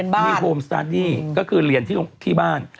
มีโฮมสตาร์ทดี้ก็คือเรียนที่บ้าน